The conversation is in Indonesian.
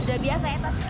sudah biasa ya